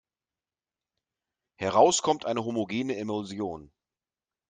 Heraus kommt eine homogene Emulsion.